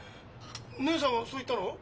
義姉さんがそう言ったの？